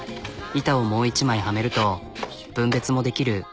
板をもう一枚はめると分別もできる。